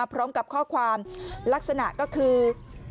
พร้อมกับข้อความลักษณะก็คือ